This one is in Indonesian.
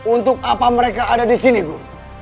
untuk apa mereka ada disini guru